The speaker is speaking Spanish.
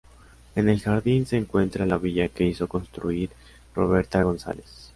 En el jardín se encuentra la villa que hizo construir Roberta González.